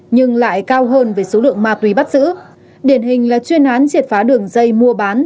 nhưng lại cao hơn về số lượng ma túy bắt giữ điển hình là chuyên án triệt phá đường dây mua bán